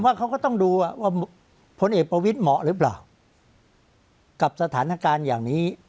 ว่าเขาก็ต้องดูว่าพลเอกประวิทย์เหมาะหรือเปล่ากับสถานการณ์อย่างนี้